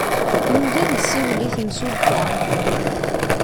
Yugi ad isiwel i temsulta.